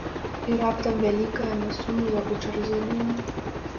І раптам вялікае насунула ў чарзе дум.